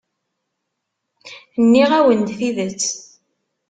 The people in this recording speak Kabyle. Nniɣ-awen-d tidet.